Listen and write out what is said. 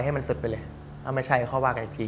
ให้มันสุดไปเลยเอาไม่ใช่ข้อบ้างอีกที